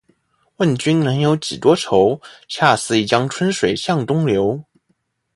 问君能有几多愁？恰似一江春水向东流